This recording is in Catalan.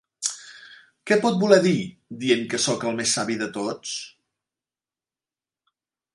Què pot voler dir, dient que sóc el més savi de tots?